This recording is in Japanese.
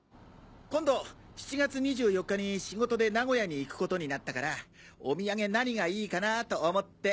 今度７月２４日に仕事で名古屋に行くことになったからお土産何がいいかなと思って。